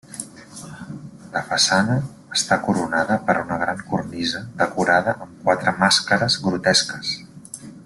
La façana està coronada per una gran cornisa decorada amb quatre màscares grotesques.